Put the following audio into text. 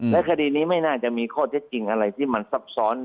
และคดีนี้ไม่น่าจะมีข้อเท็จจริงอะไรที่มันซับซ้อน